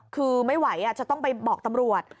คือไม่ไหวจะต้องไปบอกตำรวจ